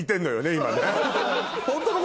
今ね？